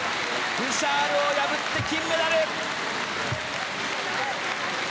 ブシャールを破って金メダル！